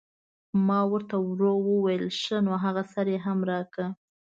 ما ور ته ورو وویل: ښه نو هغه سر یې هم راکړه.